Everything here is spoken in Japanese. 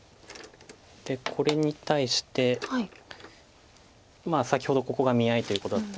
これに対して先ほどここが見合いということだった。